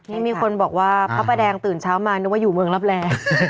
นี่มีคนบอกว่าพระประแดงตื่นเช้ามานึกว่าอยู่เมืองรับแรง